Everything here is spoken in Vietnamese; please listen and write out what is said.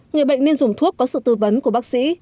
người bệnh nên dùng thuốc có sự tư vấn của bác sĩ